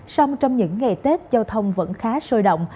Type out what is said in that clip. song trong những ngày tết giao thông vẫn khá sôi động